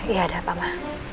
ya ada apa ma